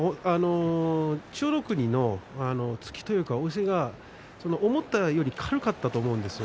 千代の国の突きというか押しが思ったより軽かったと思うんです。